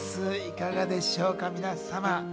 いかがでしょうか、皆様。